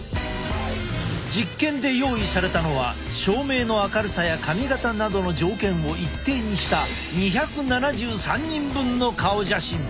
実験で用意されたのは照明の明るさや髪形などの条件を一定にした２７３人分の顔写真。